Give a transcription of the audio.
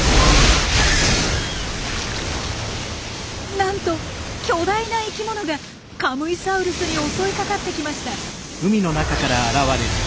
なんと巨大な生きものがカムイサウルスに襲いかかってきました！